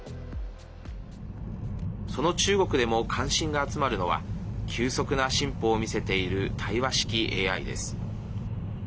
その中国でも関心が集まるのは急速な進歩を見せている対話式ＡＩです。